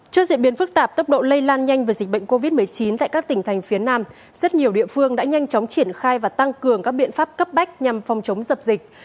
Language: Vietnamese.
trước diễn biến phức tạp tốc độ lây lan nhanh về dịch bệnh covid một mươi chín tại các tỉnh thành phía nam rất nhiều địa phương đã nhanh chóng triển khai và tăng cường các biện pháp cấp bách nhằm phòng chống dập dịch